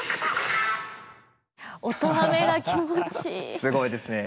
すごいですね。